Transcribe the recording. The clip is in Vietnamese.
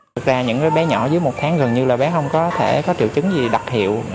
thực ra những bé nhỏ dưới một tháng gần như là bé không có thể có triệu chứng gì đặc hiệu